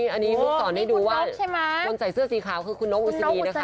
อันนี้ลูกศรให้ดูว่าคนใส่เสื้อสีขาวคือคุณนกอุศนีนะคะ